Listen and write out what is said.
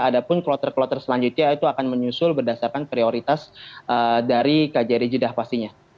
adapun plotter plotter selanjutnya itu akan menyusul berdasarkan prioritas dari kjri jedah pastinya